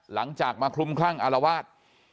หลังจากมาคลุมคลั่งอารวาส